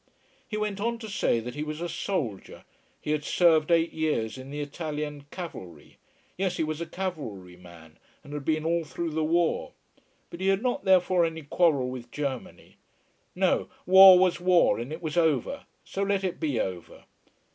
He went on to say that he was a soldier: he had served eight years in the Italian cavalry. Yes, he was a cavalryman, and had been all through the war. But he had not therefore any quarrel with Germany. No war was war, and it was over. So let it be over.